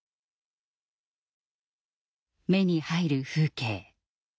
目に入る風景。